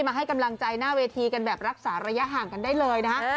มาให้กำลังใจหน้าเวทีกันแบบรักษาระยะห่างกันได้เลยนะฮะ